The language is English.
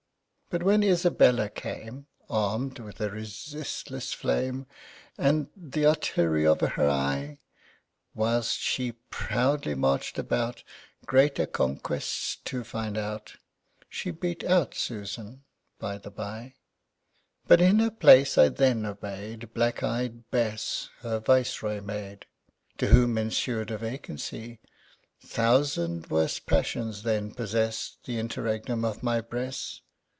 But when Isabella came Arm'd with a resistless flame, And th' artillery of her eye; Whilst she proudly march'd about, Greater conquests to find out, She beat out Susan by the bye. But in her place I then obey'd Black ey'd Besse, her viceroy maid; To whom ensu'd a vacancy: Thousand worse passions then possest The interregnum of my breast.